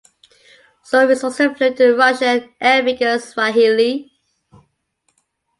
Storm is also fluent in Russian, Arabic and Swahili.